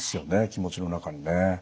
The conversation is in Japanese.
気持ちの中にね。